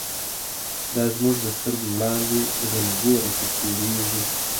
دا زمونږ د سترگو وړاندی، «غنی » گوره څه تیریږی